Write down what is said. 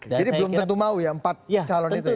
jadi belum tentu mau ya empat calon itu ya